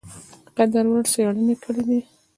د قدر وړ څېړني کړي دي ۔